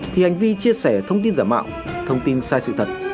thì hành vi chia sẻ thông tin giả mạo thông tin sai sự thật